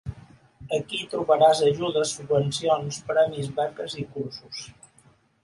Aquí trobaràs ajudes, subvencions, premis, beques i cursos.